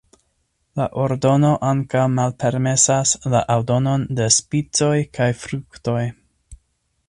La ordono ankaŭ malpermesas la aldonon de spicoj kaj fruktoj.